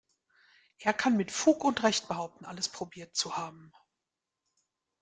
Er kann mit Fug und Recht behaupten, alles probiert zu haben.